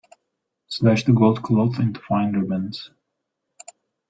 Slash the gold cloth into fine ribbons.